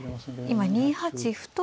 今２八歩と。